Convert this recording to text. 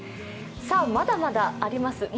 まだまだあります。